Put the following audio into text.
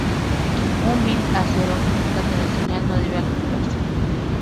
Un bit a "cero" indica que la señal no debe activarse.